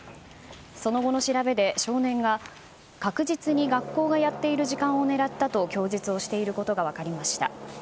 その後の調べで少年が確実に学校がやっている時間を狙ったと供述をしていることが分かりました。